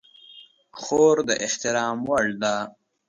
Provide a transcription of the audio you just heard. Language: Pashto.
خور د احترام وړ ده.